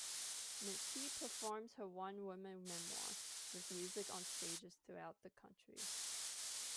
McKee performs her one-woman memoir with music on stages throughout the country.